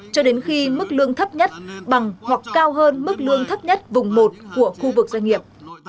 cho đến khi mức lương thấp nhất bằng hoặc cao hơn mức lương thấp nhất vùng một của khu vực doanh nghiệp